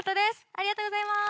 ありがとうございます。